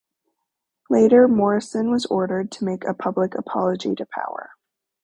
Later, Morrison was ordered to make a public apology to Power.